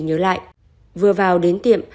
nhớ lại vừa vào đến tiệm